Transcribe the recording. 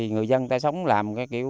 người dân đã sống làm